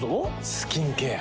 スキンケア。